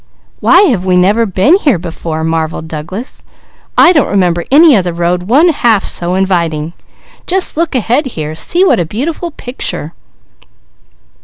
"Why have we never been here before?" marvelled Douglas. "I don't remember any other road one half so inviting. Just look ahead here! See what a beautiful picture!"